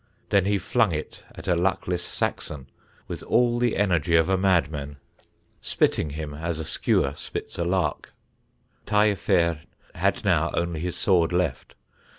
Then he flung it at a luckless Saxon with all the energy of a madman, spitting him as a skewer spits a lark. Taillefer had now only his sword left.